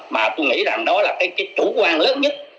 mà tôi nghĩ rằng đó là cái chủ quan lớn nhất